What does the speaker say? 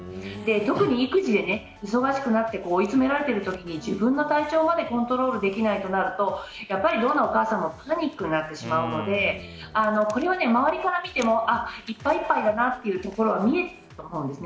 特に育児で忙しくなって追いつめられている時に自分の体調までコントロールできないとなるとやっぱり、どんなお母さんもパニックになってしまうので周りから見てもいっぱいいっぱいだなというのは見えると思うんです。